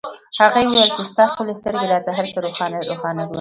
هغې وویل چې ستا ښکلې سترګې راته هرڅه روښانه روښانه وایي